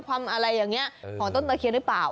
อะไรอย่างนี้ของต้นตะเคียนหรือเปล่า